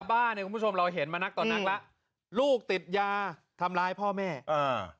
บ้านเนี่ยคุณผู้ชมเราเห็นมานักต่อนักแล้วลูกติดยาทำร้ายพ่อแม่อ่า